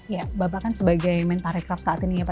ya bapak kan sebagai men parekraf saat ini ya